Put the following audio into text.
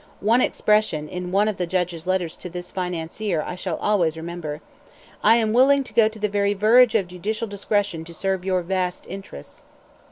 One expression in one of the judge's letters to this financier I shall always remember: "I am willing to go to the very verge of judicial discretion to serve your vast interests."